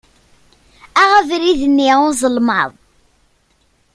Aɣ abrid-nni n uzelmaḍ.